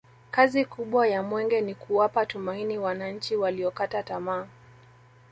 kazi kubwa ya mwenge ni kuwapa tumaini wananchi waliokata tamaa